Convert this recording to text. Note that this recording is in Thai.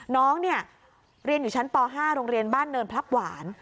น้องเนี่ยเรียนอยู่ชั้นป๕โรงเรียนบ้านเนินพลับหวาน